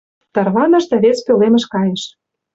Тарваныш да вес пӧлемыш кайыш.